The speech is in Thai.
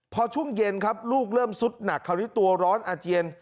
พอช่วงเย็นครับลูกเริ่มสุดหนักคราวนี้ตัวร้อนอาเจียน